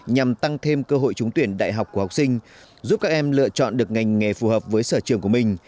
nhằm tăng thêm cơ hội trúng tuyển đại học của học sinh giúp các em lựa chọn được ngành nghề phù hợp với sở trường của mình